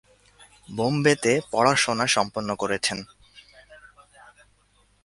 বোম্বেতে পড়াশোনা সম্পন্ন করেছেন।